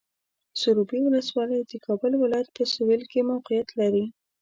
سروبي ولسوالۍ د کابل ولایت په سویل کې موقعیت لري.